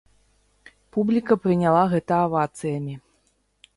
Публіка прыняла гэта авацыямі!